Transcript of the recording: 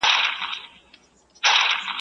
کږه غاړه توره هم نسي وهلاى.